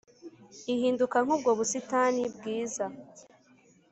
ihinduka nk’ubwo busitani bwiza